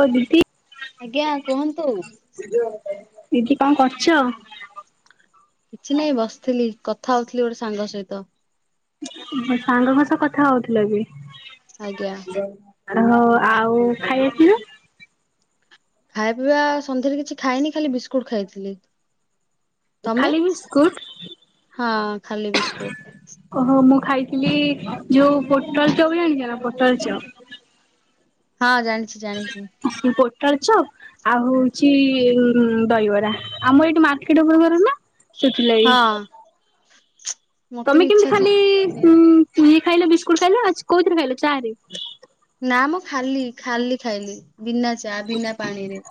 ହଉ ଦିଦି। ଆଜ୍ଞା କୁହନ୍ତୁ। ଦିଦି କଣ କରୁଛ? କିଛି ନାଇଁ ବସିଥିଲି କଥା ହଉଥିଲି ଗୋଟେ ସାଙ୍ଗ ସହିତ। ମୋ ସାଙ୍ଗଙ୍କ ସହ କଥା ହଉଥିଲ କି? ଆଜ୍ଞା। ହଉ ଆଉ ଖାଇଆସିବା। ଖାଇ ପିଇବା ସନ୍ଧ୍ୟାରେ କିଛି ଖାଇନି ଖାଲି ବିସ୍କୁଟ ଖାଇଥିଲି। ତମେ ଖାଲି ବିସ୍କୁଟ? ହଁ ଖାଲି ବିସ୍କୁଟ। ଓହୋ ମୁଁ ଖାଇଥିଲି ଯୋଉ ପୋଟଳ ଚପ୍ ବି ଜାଣିଛ ନା ପୋଟଳ ଚପ୍। ହଁ ଜାଣିଛି ଜାଣିଛି। ପୋଟଳ ଚପ୍। ଆଉ ହଉଛି ଦହିବରା ଆମର ଏଇଠି ମାର୍କେଟ ଉପରେ ଘର ନା। ଶୁଖିଲାଇ। ହଁ ମତେ ତମେ ବି କେମିତି ଇଚ୍ଛା ଥିଲା ଖାଲି ଖାଇବା ପାଇଁ ଇଏ ଖାଇଲ ବିସ୍କୁଟ ଖାଇଲ ଆ କୋଉଥିରେ ଖାଇଲ ଚା ରେ। ନା ମୁଁ ଖାଲି ଖାଲି ଖାଇଲି ବିନା ଚା ବିନା ପାଣିରେ।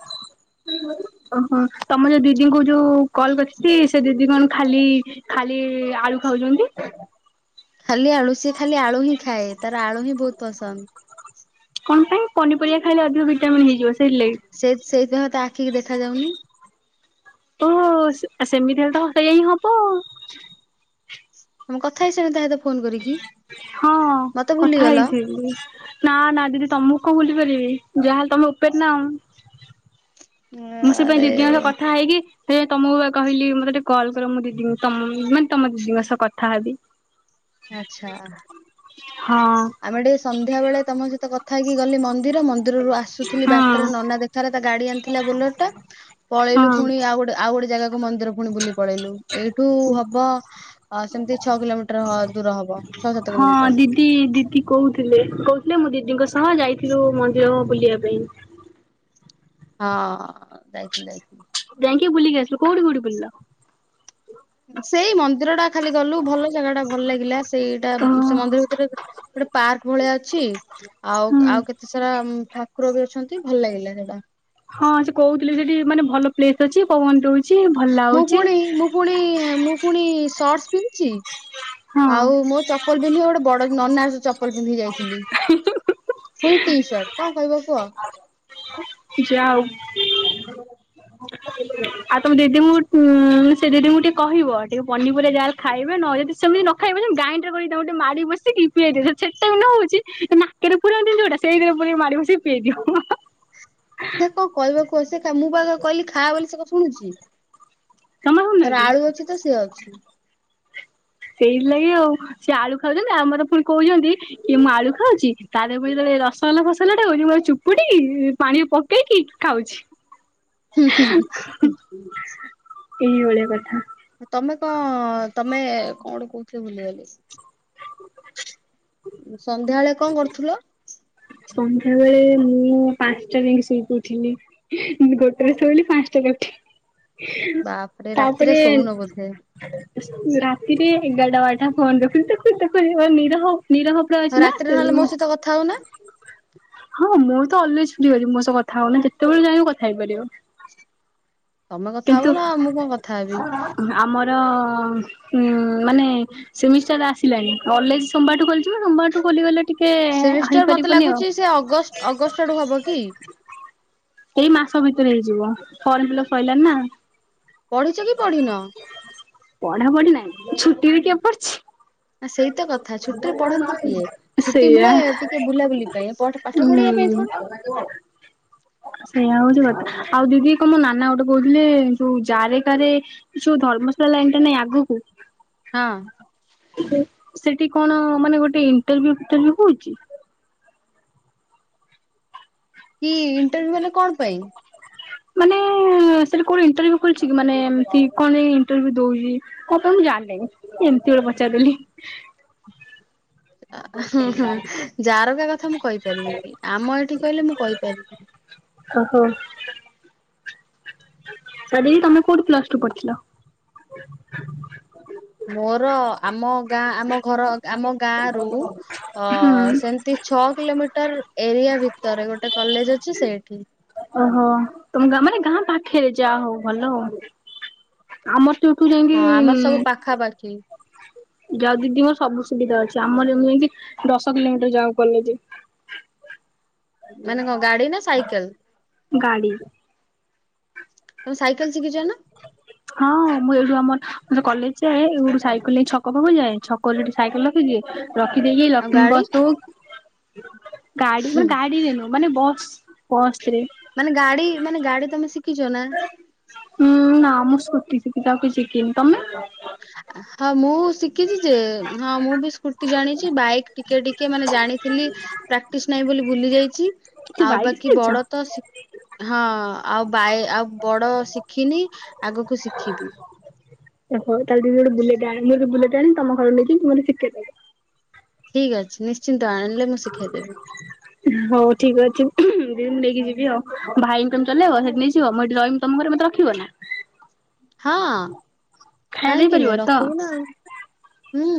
ଓହୋ ତମ ଯୋଉ ଦିଦିଙ୍କୁ ଯୋଉ କଲ କରିଥିଲ ସେ ଦିଦି କଣ ଖାଲି। ଖାଲି ଆଳୁ ଖାଉଛନ୍ତି। ଖାଲି ଆଳୁ ସିଏ ଖାଲି ଆଳୁ ହିଁ ଖାଏ ତାର ଆଳୁ ହିଁ ବହୁତ ପସନ୍ଦ। କଣ ପାଇଁ ପନିପରିବା ଖାଇଲେ ଅଧିକ ଭିଟାମିନ ହେଇଯିବ ସେଇଥିଲାଗି। ସେଇ ସେଇଥି ପାଇଁ ତ ଆଖି ଦେଖା ଯାଉନି। ଓହ ସେମିତି ହେଲେ ତ ସେୟା ହିଁ ହବ। ତମେ କଥା ହେଇ ସାର ତାେତ ଫୋନ କରିବକି ହଁ କଥା ହେଇଛି। ନା ନା ଦିଦି ତମକୁ କଣ ଭୁଲି ପାରିବି ଯାହାହେଲେ ତମେ ଉପେରେ ନା ଆଉ। ମୁଁ ସେ ପାଇଁ ଆରେ ଦିଦିଙ୍କ ସହ କଥା ହେଇକି ସେ ତମକୁ କହିଲି ମୋତେ ଟେ କଲ୍ କର ମୁ ଦିଦିଙ୍କୁ ମାନେ - ତମ ଦିଦିଙ୍କ ସହ କଥା ହେବି। ଆଛା। ହଁ। ଆମେ ଟିକେ ସନ୍ଧ୍ୟାବେଳେ ତମ ସହିତ କଥା ହେଇକି ଗଲି ମ - ମନ୍ଦିର ମନ୍ଦିରରୁୁ ଆସୁଥିଲି ବାଟରେ ହଁ ନନା ଦେଖାହେଲା ତା ଗାଡି ଆଣିଥିଲା ବୋଲେର ଟା - ପଳେଇଲୁ ହଁ। ପୁଣି ଆଉ ଗୋଟେ ଆଉ ଗୋଟେ ଜାଗାକୁ ମନ୍ଦିର ପୁଣି ବୁଲି ପଳେଇଲୁ। ଏଇଠୁ ହବ ସେମିତି ଛଅ କିଲୋମିଟର ଦୂର ହବ ଛଅ ସାତ ହଁ କିଲୋମିଟର। ଦିଦି ଦିଦି କହୁଥିଲେ କହୁଥିଲେ ମୁଁ ଦିଦିଙ୍କ ସହ ଯାଇଥିଲୁ ମନ୍ଦିର ବୁଲିବା ପାଇଁ। ହଁ ଯାଇଥିଲେ। ଯାଇଁ କି ବୁିଲିକି ଆସିଲୁ କଉଠି ବୁଲୁଥିଲୁ ଲ? ସେଇ ମନ୍ଦିରଟା। ଖାଲି ଗଲୁ ଭଲ ଜାଗା ଟା ଭଲ ଲାଗିଲା ସେଇଟା ଓ ସେ ମନ୍ଦିର ଭିତରେ- ଗୋଟେ ପାର୍କ ଭଳିଆ ଅଛି ଆଉ ହୁଁ। ଆଉ କେତେ ସାରା - ଠାକୁର ବି ଅଛନ୍ତି ଭଲ ଲାଗିଲା ସେଟା ହଁ ସେ କହୁଥିଲେ ସେଠି ମାନେ ଭଲ ପ୍ଲେସ ଅଛି ପବନ ଦେଉଛି। ମୁଁ ପୁଣି ମୁଁ ପୁଣି ମୁଁ ପୁଣି ସର୍ଟସ ପିନ୍ଧିଛି। ହଁ। ଆଉ ମୋ ଚପଲ ପିନ୍ଧିବ ଗୋଟେ ବଡ ନନାର ଚପଲ ପିନ୍ଧିକି ଯାଇଥିଲି। ପୁଣି ଟି ସାର୍ଟ କଣ କହିବ କୁହ? ଯା ଆଉ। ଆଉ ତୋମ ଦିଦିଙ୍କୁ ଉଁ, ସେ ଦିଦିଙ୍କୁ ଟିକେ କହିବ ଟିକେ ପନିପରିବା ଯାହେଲେ ଖାଇବେ ନଲେ [unintelligible] ସେମିତି ନ ଖାଇବ ଯେ ଗାଇଁଡର କରି ତାଙ୍କୁ ଟିକେ ମାଡି ବସିକି ପିଆଇ ଦେବେ। ସେଟା ବି ନ ହଉଛି ତା ନା କେରେ ପୁରାନ୍ତିନି ଯୋଉଟା ସେଇଥିରେ ପୁରେଇ ମାଡି ବସି ପିଏଇ ଦିିଅ। [inaudible] ସେ କଣ କହିବା କୁଅ, ସିଏ ଖା- ମୁଁ ପରା ତାକୁ କହିଲି ଖା ବୋଲି ସେ କଣ ଶୁଣୁଛି। ଜମା ତାର ହଉନାହାନ୍ତି ଆଳୁ ଅଛି ତ ସିଏ ଅଛି। ସେଇଥିଲାାଗି ଆଉ, ସିଏ ଆଳୁ ଖାଉଚନ୍ତି। ଆମର ପୁଣି କହୁଚନ୍ତି କି ମୁଁ ଆଳୁ ଖାଉଛି। ତା ଦେହରେ ପୁଣି ଯେତେବେଳେ ରସଗୋଲା ଫସଗଲା ଟା ଖାଉଛି ମୁଁ ତାକୁ ଚୁପୁଡିକି ଇ-ପାଣି ପ କେଇକି ଖାଉଛି। ହୁଁ, ହୁଁ, ହୁଁ, ହୁଁ। ଏଇ ଭଳିଆ କଥା। ଏ ତୋମେ କଁ ତୋମେ କଣ ଗୋଟେ କହୁଥିଲି ଭୁଲି ଗଲି। ଉଁ, ସନ୍ଧ୍ୟାବେଳେ କଣ କରୁଥୁଲ? ସନ୍ଧ୍ୟାବେେଳେ ମୁଁ ପାନ୍ସଟା ଯାଇକି ଶୋଇକି ଉଠିଲି। ମୁଁ ଗୋଟେରେ ଶୋଇଲି ପାନ୍ସଟା ରେ ଉଠିଲି। ବାପରେ ରାତିରେ ଶୋଉନ ବୋଧେ? ରାତିରେ ଏଗାରଟା ବାରଟା ଫୋନ୍ ଦେଖୁଥିବି, ଦେଖୁଚୁ, ଦେଖୁଚୁ [inaudible] ନିରହ ନିରହ [inaudible] ଅଛି ନା ସେଇ [unintelligible] ଥାଉ ନା? ହଁ ମୁଁ ତ ଅଲୱେଜ୍ ଫ୍ରି ରହିଚି, ମୋ ସହ କଥା ହଉନ ଯେତେବେଳେ ଚାହିଁବ କଥା ହେଇପାରିବ। ତୋମେ କଥା କିନ୍ତୁ ହବ ନା, ମୁଁ କଣ କଥା ହେବି? ଆମର ଉଁ, ମାନେ ସେମିଷ୍ଟାର ଆସିଲାଣି। କଲେଜ୍ ସୋମବାର ଠୁ ଖୋଲିଯିବ। ସୋମବାର ଠୁ ଖୋଲି ଗଲେ ସେମିଷ୍ଟାର ମୋତେ ଲାଗୁଚି ସେ ଅଗଷ୍ଟ ଅଗଷ୍ଟ ଆଡକୁ ହବ କି? ଏଇ ମାସ ଭିତରେ ହେଇଯିବ ଫର୍ମ ଫିଲଅପ୍ ସଇଲାଣି ନା। ପଢିଛ କି ପଢିନ? ପଢା ପଢି ନାହିଁ। ଛୁଟିରେ କିଏ ପଢଛି। ଆ, ସେଇ ତ କଥା ଛୁଟି ରେ ପଢନ୍ତି କିଏ? ଛୁଟି ସେଇଆ ମିଳେ ଟିକେ ବୁଲାବୁଲି ପାଇଁ। ଏ ପଢ ପାଠ ପଢିବା ପାଇଁ କଣ। [unintelligible] ସେଇୟା ହଉଛି କଥା। ଆଉ ଦିଦି କ ମୋ ନାନା ଗୋଟେ କହୁଥିଲେ ଯୋଉ ଜାରେ କାରେ ଯୋଉ ଧର୍ମଶାଳା ଲାଇନ୍ ଟା ନାଇଁ ଆଗକୁ। ହଁ। ହେ ସେଟି କଣ ମାନେ ଗୋଟେ ଇଣ୍ଟରଭ୍ୟୁ ଫିଣ୍ଟରଭିୟୁ ହଉଛି? କି ଇଣ୍ଟରଭ୍ୟୁ ମାନେ କଣ ପାଇଁ? ମାନେ ଏ ସେଟି କଣ ଇଣ୍ଟରଭ୍ୟୁ ଖୋଲଛି କି ମାନେ ଏମତି କଣ ଏଇ ଇଣ୍ଟରଭ୍ୟୁ ଦଉଚି କଣ ପାଇଁ ମୁଁ ଜାଣିନି। ଏମତି ଗୋଟେ ପଚାରି ଦେଲି। ଆ, ହୁଁ, ହଁ, ଜାରକା କଥା ମୁଁ କହିପାରିବିନି। ଆମ ଏଠି କହିଲେ ମୁଁ କହିପାରିବି। ଓହୋ! ସୋ ଦି ତୋମେ କୋଉଠି ପ୍ଲସ୍ ଟୁ ପଢଥିଲ? ମୋର ଆମ ଗାଁ ଆମ ଘର ଆମ ଗାଁ ରୁ ଅ, ହୁଁ ସେମତି ଛଅ କିଲୋମିଟର ଏରିଆ ଭିତରେ ଗୋଟେ କଲେଜ୍ ଅଛି ସେଇଠି। ଓହୋ! ତୋମେ ଗ- ମାନେ ଗାଁ ପାଖରେ ଯା ହଉ ଭଲ। ଆମର ତ ଏଇଠୁ ଯାଇକି ଉଁ, ପାଖା ପାଖି। ଯାଅ ଦିଦି ମୋର ସବୁ ସୁବିଧା ଅଛି। ଆମର ଯେମ ଏମତି ଦଶ କିଲୋମିଟର ଯାଉ କଲେଜେ। ହ ମାନେ କଣ ଗାଡି ନା ସାଇକେଲ। ଗାଡି ତମେ ସାଇକେଲ ଶିଖିଛ ନା? ହଁ ମୁଁ ଏଇଠୁ ଆମର କଲେଜ ଯାଏ ଏଉଠୁ ସାଇକେଲ ନେଇ ଛକ ପାଖକୁ ଯାଏ ଛକ ସେଠି ସାଇକେଲ ଖୁଛି ରଖିଦେଇ ଆଉ ଲକ୍ଷ୍ମୀ ଗାଡି ବସ ଗାଡି ହୁଁ, ମାନେ ଗାଡି ଦେନୁ ମାନେ ବସ୍ ବସ ରେ। ମାନେ ଗାଡି ମାନେ ଗାଡି ତମେ ଶିଖିଛ ନା। ହୁଁ ନା ମୁଁ ସ୍କୁୁଟି ଶିଖିଚି ଆଉ କିଛି ସିଖିନି ତମେ? ହଁ ମୁଁ ଶିଖିଛି ଯେ ହଁ ମୁଁ ବି ସ୍କୁ ଜାଣିଛି ବାଇକ୍ ଟିକେ ଟିକେ ମାନେ ଜାଣିଥିଲି ପ୍ରାକ୍ଟିସ ନାହିଁ ବୋଲି ଭୁଲି ଯାଇଛି। କି ଆଉ ବାଇକ୍ ବାକି ଶିଖିଛ? ବଡ ତ ଶ ହଁ ଆଉ ବାଇ ଆଉ ବଡ ଶିଖିନି ଆଗକୁ ଶିଖିବି। ଓହୋ ତାହେଲେ ଦିଦି ଗୋଟେ ବୁଲେଟ ଆଣ ବୁଲେଟ୍ ଆଣି ତମ ଘର ନେଇକି ମୋତେ ଶିିଖେଇ ଦବ। ଠିକ୍ ଅଛି ନିଶ୍ଚିନ୍ତ ଆଣିଲେ ମୁଁ ଶିଖାଇଦେବି। ହଉ ଠିକ ଅଛି ଦିଦିନ ନେଇକି ଯିବି ଆଉ ଭାଇ କ ହିମ ଚଲେଇବ ସେଇଠି ନେଇଯିବ ମୁଁ ଏଠି ରହି ତମ ଘରେ ମତେ ରଖିବ ନା? ହଁ ଖାଇ ଦେଇ କାହିଁକି ପାରିବ ନୁହେଁ ତ? ରଖିବୁ ନା ହୁଁ।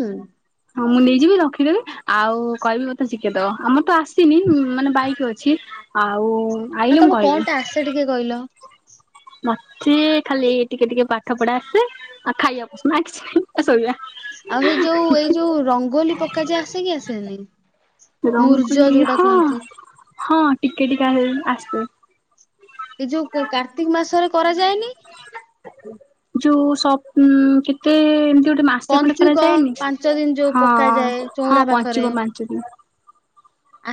ହଁ ମୁଁ ନେଇଯିବି ରଖିଦେବେ। ଆଉ କହିବି ବୋତେ ଶିକେ ଦ ଆମର ତ ଆସିନି ମାନେ ବାଇକ ଅଛି ଆଉ ଆଉ ଆଇଲେ ମୁଁ ତମକୁ କହିବି କଣ ଟେ ଆସେ ଟିକେ କହିଲ? ମତେ ଖାଲି ଟିକେ ଟିକେ ପାଠ ପଢା ଆସେ ଆଉ ଖାଇବା ନାଇଁ କିଛି ନାହିଁ ଶୋଇବା। ଆଉ ସେ ଯୋଉ ଏଇ ଯୋଉ ରଙ୍ଗୋଲି ପକ୍କା ଯାଏ ଆସେ କି ଆସେନି? ମୂର୍ଜ ରଙ୍ଗୋଲି ଯୋଉଟା ହଁ କୁହନ୍ତି। ହଁ ଟିକେ ଟିକେ ଆସେ। ଏ ଯୋଉ କାର୍ତ୍ତିକ ମାସରେ କରାଯାଏନି। ଯୋଉ ସ କେତେ ଏମତି ଗୋଟେ ମା ସେ ପୁଣି ପଞ୍ଚୁକ କରାଯାଏନି ପାଞ୍ଚ ଦିନ ଯୋଉ ହଁ ପକାଯାଏ ଚଉଁରା ହଁ ପାଖରେ ପଞ୍ଚୁକ ପାଞ୍ଚ ଦିନ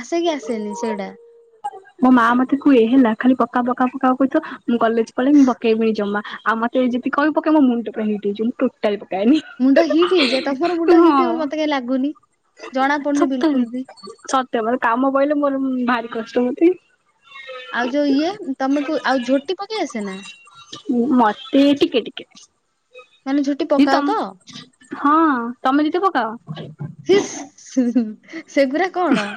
ଆସେ କି ଆସେନି ସେଇଟା। ମୋ ମା ମତେ କୁଏ ହେଲା ଖାଲି ପକା ପକା ପକା କ ତ ମୁଁ କଲେଜ ପଳେଇ ମୁଁ ପକେଇବି ଜମା ଆଉ ମତେ ଯଦି କହିବ ପକେଇବ ମୋ ମୁଣ୍ଡ ପୁରା ହିଟ୍ ହେଇଯିବ ମୁଁ ପକାଏନି ମୁଣ୍ଡ ହିଟ୍ ହେଇଯାଏ ତମର ମୁଣ୍ଡ ହିଟ୍ ହେଇ ହଁ ବୋଲି ମତେ କାହିଁ ଲାଗୁନି। ଜଣା ପଡୁନି ବିଲକୁଲ ବି। ତାପରେ କାମ ପଇଲେ ମୋର ଭାରି କଷ୍ଟ ମୋତେ ଆଉ ଯୋଉ ଇଏ ତମକୁ ଆଉ ଝୋଟି ପକେଇ ଆସେ ନା। ମତେ ଟିକେ ଟିକେ। ମାନେ ଝୋଟି ଦିଦି ପକାଅ ତ? ତମ ହଁ ତମେ ଦିଦି ପକାଅ। ହିସ୍ ହିଁ ହୁଁ ସେଗୁରା କଣ?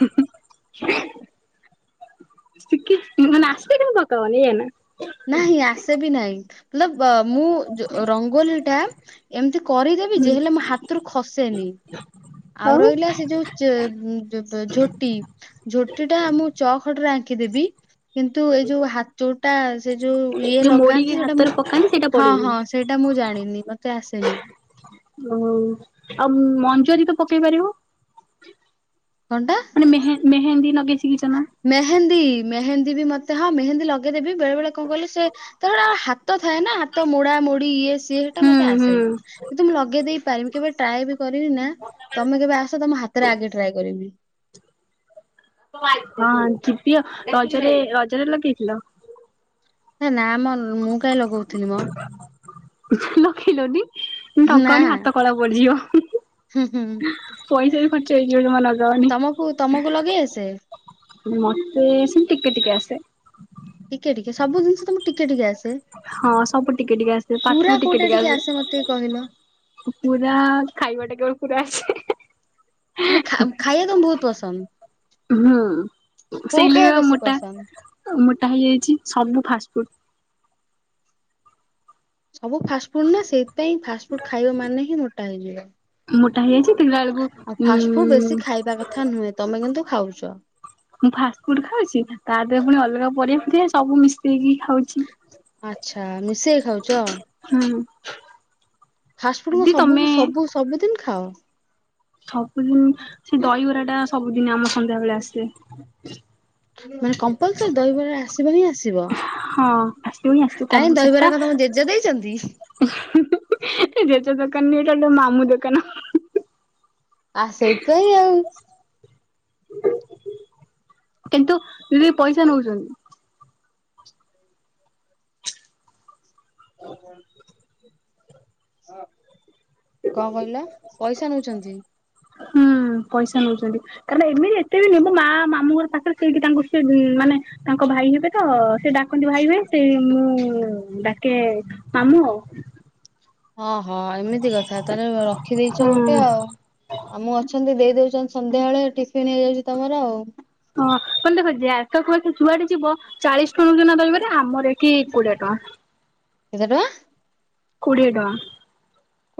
ଶିଖି ଆସେ ପକାଓନି ଏଇଏ ନା। ନାହିଁ ଆସେ ବି ନାହିଁ ମଲ ମୁଁ ଯୋ ରଙ୍ଗୋଲି ଟା ଏମିତି କରିଦେବି ହୁଁ ଯେ ହେଲେ ମୋ ହାତରୁ ଖସେନି। ଆଉ ରହିଲା ସେ ଯୋଉ ଝୋଟି ଝୋଟି ଟା ମୁଁ ଚଖଡି ରେ ଆଙ୍କି ଦେବି। କିନ୍ତୁ ଏଇ ଯୋଉ ହାତୋଟା ସେ ଯୋଉ ଇଏ ଯୋଉ ମୋଡିକି ଲଗାନ୍ତି ସେଇଟା ହାତରେ ମୁଁ ପକାନ୍ତି ସେଇଟା ହଁ ପଡେନି ହଁ ସେଇଟା ମୁଁ ଜାଣିନି ମତେ ଆସେନି। ଓ ଆଉ ମଞ୍ଜୁରୀ ତ ପକେଇ ପାରିବ। କଣ ଟା? ମେ ମେହେନ୍ଦୀ ଲଗେଇ ଶିକିଛ ନା। ମେହେନ୍ଦୀ ମେହେନ୍ଦୀ ବି ମତେ ହଁ ମେହେନ୍ଦୀ ଲଗେଇଦେବି ବେଳେ ବେଳେ କଣ କଲେ ସେ ତାଟ ଆ ହାତ ଥାଏ ନା ହାତ ମୋଡା ମୋଡି ଇଏ ସିଏ ସେଟା ହୁଁ ମତେ ହୁଁ ଆସେନ କିନ୍ତୁ ମୁଁ ଲଗେଇ ଦେଇ ପାରିବି କେବେ ଟ୍ରାଏ ବି କରିବି ନା ତମେ କେବେ ଆସ ତମ ହାତରେ ଆଗେ ଟ୍ରାଏ କରିବି। ହଁ ଯିବିଅ ରଜରେ ରଜରେ ଲଗେଇଥିଲ। ନା ମ ମୁଁ କାଇ ଲଗଉଥିଲି ମ। ଲଖିଲନି ନା ଟଙ୍କନି ହାତ କଳା ପଡିଯିବ। ହୁଁ ହୁଁ। ପଇସା ବି ଖର୍ଚ୍ଚ ହେଇଯିବ ଜମା ନଗାଅନି। ତମକୁ ତମକୁ ଲଗେଇ ଆସେ? ମତେ ସେମତି ଟିକେ ଟିକେ ଆସେ। ଟିକେ ଟିକେ ସବୁ ଜିନଷ ତମ ଟିକେ ଟିକେ ଆସେ ହଁ ସବୁ ଟିକେ ଟିକେ ଆସେ ପାଠ ପୁରା ବି ଟିକେ କୋଉଟା ଟିକେ ଆସେ ମତେ କହିଲ? ଆସେ। ପୁରା ଖାଇବାଟା କେବଳ ପୁରା ଆସେ। ମାନେ ଖା ଖାଇବା ତମେ ବହୁତ ହୁଁ ପସନ୍ଦ କୋଉ ଖାଇବା ବେଶୀ ପସନ୍ଦ? ଆଉ ମୋଟା ହେଇଯାଇଛି ସବୁ ଫାଷ୍ଟଫୁଡ। ସବୁ ଫାଷ୍ଟଫୁଡ ନା ସେଇଥିାଇଁ ଫାଷ୍ଟ ଫୁଡ ଖାଇବା ମାନେ ହିଁ ମୋଟା ହେଇଯିବ। ମୋଟା ହେଇଯାଇଛି ଦେଖିଲା ବେଳକୁ ଉ ଥା ନୁହେଁ ତମେ କିନ୍ତୁ ଖାଉଛ। ମୁଁ ଫାଷ୍ଟଫୁଡ ଖାଉଛି ତା ଦେହ ପୁଣି ଅଲଗା ପରିବା ଫରିବା ସବୁ ମିଶେଇକି ଖାଉଛି। ଆଚ୍ଛା ମିଶେଇି ଖାଉଛ। ହୁଁ। ଫାଷ୍ଟଫୁଡ ଦିଦି ସବୁ ତମେ ସବୁ ସବୁଦିନ ଖାଅ? ସବୁଦିନ ସେ ଦହିବରା ଟା ସବୁଦିନ ଆମ ସନ୍ଧ୍ୟା ବେଳେ ଆସେ। ମାନେ କମ୍ପାଲସରି ଦହିବରେ ଆସିବ ହିଁ ଆସିବ। ହଁ ଆସିବ ହିଁ ଆସିବ କାହିଁ ଦହିବରା କ ତମ ଜେଜେ ଦେଇଛନ୍ତି। ହୁଁ ହୁଁ ହୁଁ ଜେଜ ଦୋକାନ ନୁହେଁ ଏଟା ମାମୁଁ ଦୋକାନ। ଆ ସେଇଥିପାଇଁ ଆଉ। କିନ୍ତୁ ଯଦି ପଇସା ନଉଛନ୍ତି। ହ କଣ କହିଲ ପଇସା ନଉଛନ୍ତି? ହୁଁ ପଇସା ନଉଛନ୍ତି। କାରଣ ଏମିତି ଏତେ ବି ନୁହେଁ ମୋ ମା ମାମୁଁ ଘର ପାଖରେ ସେଇଠି ତାଙ୍କୁ ସେ ମାନେ ତାଙ୍କ ଭାଇ ହେବେ ତ ସେ ଡାକନ୍ତି ଭାଇ ଭାଇ ସେ ମୁଁ ଡାକେ ମାମୁଁ ଆଉ। ଅହଁ ଏମିତି କଥା ତାହେଲେ ରଖିଦେଇଛ ଗୋଟେ ହଁ ଆଉ। ମାମୁଁ ଅଛନ୍ତି ଦେଇ ଦଉଛନ୍ତି ସନ୍ଧ୍ୟାବେଳେ ଟିଫନ୍ ହେଇଯାଉଛି ତମର ଆଉ। ହଁ କ ଦେଖ [unintelligible] ଯୁଆଡେ ଯିବ ଚାଳିସି ଟଙ୍କା ନ ଦହିବରା ଆମର ଏ କି କୋଡିଏ ଟଙ୍କା କେତେ ଟଙ୍କା କୋଡିଏ ଟଙ୍କା।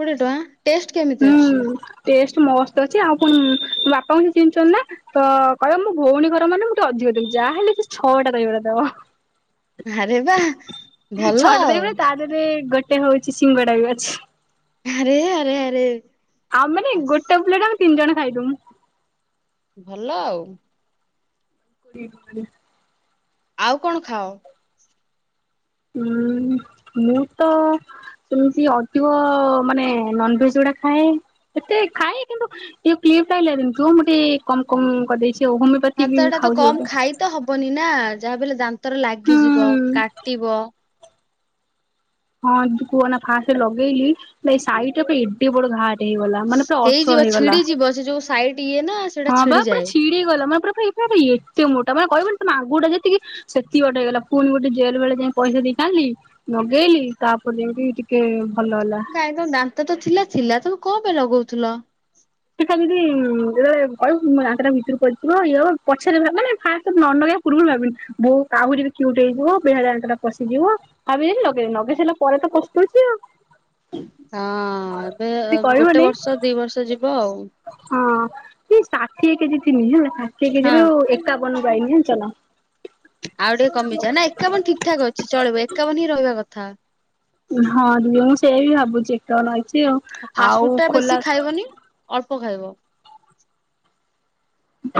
କୋଡିଏ ଟଙ୍କା ଟେଷ୍ଟ କେମିତି ଅଛି? ହୁଁ ଟେଷ୍ଟ ମସ୍ତ ଅଛି ଆଉ ଫୁଣି ମୋ ବାପା କୁ ସେ ଚିହ୍ନି ଛନ୍ତି ନା। ତ କହିବ ମୋ ଭଉଣୀ ଘର ମାନେ ମୁଁ ଟିକେ ଅଧିକ ଦେବି ଯାହାହେଲେ ବି ଛଅଟା ଦହିବରା ଦେବ। ଆରେ ବା ଭଲ ଛଟା ଆଉ ଦେବେ ତା ଦେହରେ ଗୋଟେ ହଉଛି ସିଙ୍ଗଡା ବି ଅଛି। ଆରେ ଆରେ ଆରେ ଆଉ ମାନେ ଆସ୍ ଗୋଟେପ୍ଳେଟ ଆମେ ତିନି ଜଣ ଖାଇଦବୁ। ଭଲ ଆଉ। [inaudible] ଆଉ କଣ ଖାଅ? ହୁଁ ମୁଁ ତ ସେମିତି ଅଧିକ ମାନେ ନନଭେଜ ଗୁଡା ଖାଏ। ଏତେ ଖାଏ କିନ୍ତୁ ଟିକେ କିପ୍ଟି ଆଇଲା ଦିନଠୁ ମୁଁ ଟିକେ କମ କମ କରିଦେଇଛି ଆଉ ହଁ ତ ହୋମିଅପାତିକି ଏଇଟା ତ ଖାଉଛି କମ ଗୋଟେ ଖାଇ ତ ହବନି ନା ଯାହା ବି ହେଲେ ଦାନ୍ତରେ ଲାଗିଯିବ ହୁଁ। କାଟିବ। ହଁ କୁହନା ଫାଷ୍ଟ ଲଗେଇଲି ଏଇ ସାଇଟି ରେ ଏଡେ ବଡ ଘା ହେଇଗଲା ମାନେ ପୁରା ହେଇଯିବ ଅସର ହେଇଗଲା। ଛିଡିଯିବ ଯୋଉ ସାଇଟି ଇଏନା ହଁ ବା ପୁରା ଛିଡି ଗଲା ମାନେ ପୁରା ପୁରୀ ଏତେ ମୋଟା ମାନେ କହିବନି ତମ ଆଗୁଟା ଯେତିକି ସେତିକି ବାଟ ହେଇଗଲା ପୁଣି ଗୋଟେ ଜେଲ ବେଳେ ଯାଇ ପଇସା ଦେଇକି ଆଇଲି। ଲଗେଇଲି ତାପରେ ଯେମତି ଟିକେ ଭଲ ହେଲା। କାଇଁ ତ ଦାନ୍ତ ତ ଥିଲା ଥିଲା ତମେ କଣ ପାଇଁ ଲଗଉଥିଲ। ଶିଖା ଦିଦି ଯେତେବେଳେ କହିବ ଦାନ୍ତଟା ଭିତରୁ ପସିଯିବ ଇଏ ହବ ପଛରେ ଭା ମାନେ ଫାଷ୍ଟ୍ ନନଗେଇବ। ପୂର୍ବରୁ ଭାବିଲି ବୋଉ ଆହୁରି କ୍ୟୁଟ୍ ହେଇଯିବ ବେହାଡ଼ା ଦାନ୍ତ ଟା ପଶିଯିବ‌। ଭାବିଦେଲି ଲଗେଇଦେଲି ଲଗେଇସାରିଲା ପରେ ତ ପସ୍ତଉଚି ତ ଆଉ। ହଁ ଏବେ ଯଦି ଗୋଟେ କହିବନି ବର୍ଷ ଦି ବର୍ଷ ଯିବ ଆଉ। ହଁ ଏଇ ଷାଠିଏ କେଜି ଥିଲି ହେଲା ଷାଠିଏ ହଁ କେଜି ରୁ। ଏକାବନ କୁ ଆଇଲି ଜାଣିଛ ନା। ଆଉ ଟିକେ କମିଯା ନା ଏକାବନ ଠିକ୍ ଠାକ୍ ଅଛି ଚଳିବ ଏକାବନ ହିଁ ରହିବା କଥା ଆଉ। ହଁ ଦିଦି ମୁଁ ସେଇଆ ବି ଭାବୁଛି ଏକାବନ ହେଇଛି ଆଉ। ଫାଷ୍ଟ ଆଉ ଫୁଡ୍ ଟା ଖୋଲା ବେଶୀ ଖାଇବନି ଅଳ୍ପ ଖାଇବ।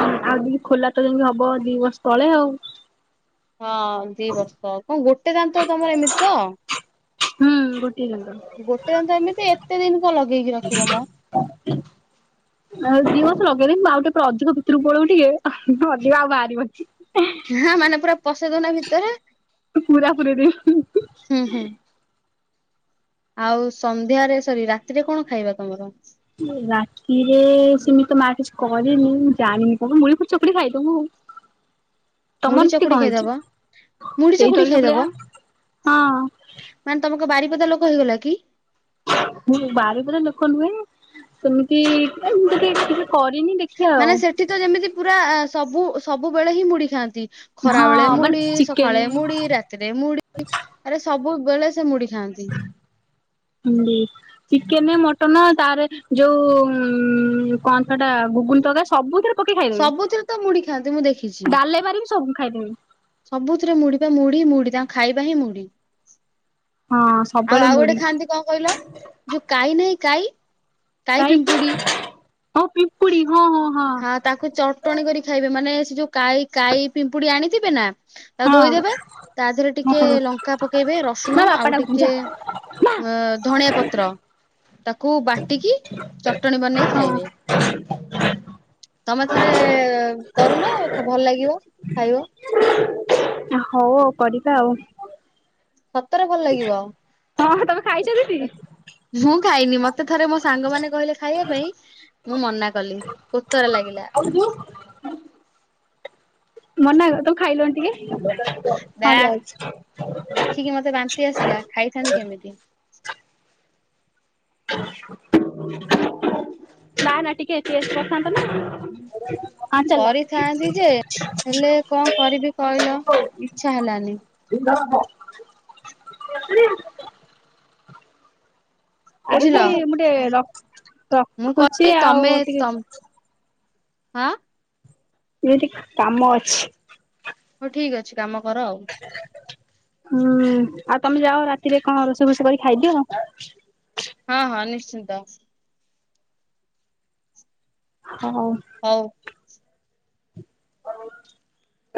ଆଉ ଯଦି ଖୋଲା ତ ଯେମିତି ହବ ଦି ବର୍ଷ ତଳେ ଆଉ। ହଁ ଦି ବର୍ଷ କଣ ଗୋଟେ ଦାନ୍ତ ତ ତମର ଏମିତି ତ। ହୁଁ ଗୋଟିଏ ଗୋଟେ ଦାନ୍ତ ଏମିତି ଏତେ ଦିନ କଣ ଲଗେଇକି ରଖିବ ମ। ଦାନ୍ତର। ଆଉ ଦି ମାସ ଲଗେଇଦେବି ଆଉ ଟିକେ ପରେ ଅଧିକ ଭିତରୁକୁ ପଳେଇବ ଟିକେ ଅଧିକ ଆଉ ବାହାରିବନି। ହଁ। ହ ମାନେ ପୁରା ପଶେଇଦଉନା ଭିତରେ ପୁରା ପୁରେଇ ଦେବି। ହୁଁ ହୁଁ। ଆଉ ସନ୍ଧ୍ୟାରେ ସରି ରାତିରେ କଣ ଖାଇବା ତମର। ରାତିରେ ସେମିତି ତ ମା କିଛି କଲେନି ମୁଁ ଜାଣିନି କଣ ମୁଢି ଫୁଢି ଚକୁଡି ଖାଇଦବୁ ଆଉ। [unintelligible] ମୁଢି ତମର ଏମତି ଚକୁଡି କଣ ହେଇଛି ଖାଇଦବ ମୁଢି ସେଇ ଚକୁଡି ଖାଇଦବ ଜଳଖିଆ ଫଳଖିଆ ହଁ। ମାନେ ତମେ କଣ ବାରିପଦା ଲୋକ ହେଇଗଲା କି। ମୁଁ ବାରିପଦା ଲୋକ ନୁହେଁ ସେମିତି ଏମତି ଟିକେ ଖାଇଦବୁ। କରିନି ଦେଖିବା ଆଉ। ସେ ତ ଯେମିତି ପୁରା ସବୁ ସବୁବେଳେ ହିଁ ମୁଢି ଖାଆନ୍ତି। ଖରା ହଁ ବେଳେ ମାନେ ମୁଢି ଚିକେନ ସକାଳେ ମୁଢି ରାତିରେ ମୁଢି। ଆରେ ସବୁବେେଳେ ସେ ମୁଢି ଖାଆନ୍ତି। ହୁଁ। ଚିକେନ ମଟନ ତାର ଯୋଉ ଉ କଣ ସେଟା ଘୁଗୁନି ତରକାରୀ ସବୁଥିରେ। ପକେଇ ଖାଇଦେବି ସବୁଥିରେ ତ ମୁଢି ଖାଆନ୍ତି ମୁଁ ଦେଖିଛି। ଡାଲେମାରେ ବି ସବୁ ମୁଁ ଖାଇଦେବି। ସବୁଥିରେ ମୁଢି ବା ମୁଢିି ମୁଢି ତାଙ୍କ ଖାଇବା ହିଁ ମୁଢି। ହଁ। ଆଉ ସବୁବେଳେ ଆଉ ଗୋଟେ ମୁଢି ଖାଆନ୍ତି କଣ କହିଲ ଯୋଉ କାଈ ନାହିଁ କାଈ। କାଈ ହଁ ପିମ୍ପୁଡ଼ି ହଁ ହଁ ହଁ। ତାକୁ ଚଟଣି କରି ଖାଇବେ ମାନେ ସେ ଯୋଉ କାଈ କାଈ ପିମ୍ପୁଡି ଆଣିଥିବେ ନା। ତାକୁ ଧୋଇଦେବେ ହଁ ତା ଦେହରେ ଟିକେ ହଁ ଲଙ୍କା ପକେଇବେ ମା ରସୁଣ ବାପା ଆଉ ଡାକୁଛନ୍ତି ଟିକେ। ଯା ମା ଅ ଧଣିଆ ପତ୍ର ତାକୁ ବାଟିକି ଚଟଣୀ ବନେଇ ହଁ। ଖାଇବେ। ତମେ ଥରେ କରୁନା ଭଲ ଲାଗିବ ଖାଇବ। ହଉ ଆଉ କରିବା ଆଉ। ସତରେ ଭଲ ଲାଗିବ। ହଁ ତମେ ଖାଇଛ ଦିଦି? ମୁଁ ଖାଇନି ମତେ ଥରେ ମୋ ସାଙ୍ଗ ମାନେ କହିଲେ ଖାଇବା ପାଇଁ। ମୁଁ ମନା କଲି କୋତରା ଲାଗିଲା। [unintelligible] ମନା କଲ ତମେ ଖାଇଲନୀ ଟିକେ। ବା ହଁ ଯାଉଛି। ଦେଖିକି ମତେ ବାନ୍ତି ଆସିଲା ଖାଇଥାନ୍ତି କେମିତି। ନା ନା ଟିକେ ଟେଷ୍ଟ କରିଥାନ୍ତ ନା। ହଁ ଚାଲ କରିଥାନ୍ତି ଯେ ହେଲେ କଣ କରିବି କହିଲ। ଇଛା ହେଲାନି। [unintelligible] ବୁଝିଲ ଦିଦି ମୁଁ ଟିକେ ମୁଁ ରଖୁଛି କହିଲି ଆଉ ଟିକେ। [inaudible] ଆଁ ଏଇଠି କାମ ଅଛି। ହଉ ଠିକ ଅଛି କାମ କର ଆଉ। ହୁଁ ଆଉ ତମେ ଯାଅ ରାତିରେ କଣ ରୋଷେଇ ଫୋଷେଇ କରି କି ଖାଇଦିଅ। ହଁ ହଁ ନିଶ୍ଚିନ୍ତ। ହଉ। ହଉ।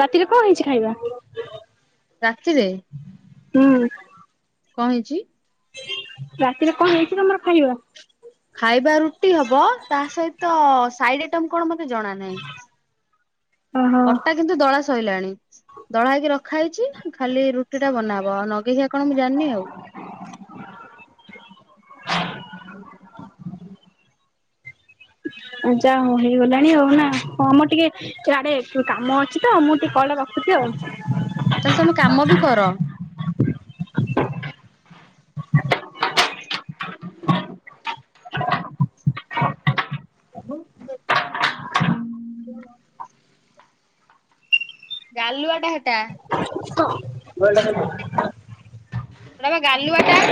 ରାତିରେ କଣ ହେଇଛି ଖାଇବା? ରାତିରେ ହୁଁ। କଣ ହେଇଛି? ରାତିରେ କଣ ହେଇଛି ତମର ଖାଇବା? ଖାଇବା ରୁଟି ହବ ତା ସହିତ ସାଇଡ ଆଇଟମ କଣ ମତେ ଜଣା ନାହିଁ। ଓହୋ ଅଟା କିନ୍ତୁ ଦଳା ସଇଲାଣି। ଦଳା ହେଇକି ରଖା ହେଇଛି। ଖାଲି ରୁଟି ଟା ବନାହବ ଆଉ ନଗେଇଖିଆ କଣ ମୁଁ ଜାଣିନି ଆଉ। ଯା ହଉ ହେଇଗଲାଣି ଆଉ ନା ହଁମ ଟିକେ ଇଆଡେ କାମ ଅଛି ତ ମୁଁ ଟିକେ କଲଟା ରଖୁଛି ଆଉ। ତାଲେ ତମେ କାମ ବି କର। ଗାଲୁଆ ଟା ହେଟା। ହଁ ବଡ ହେବ। ସେଟା ବା ଗାଲୁଆ ଟା।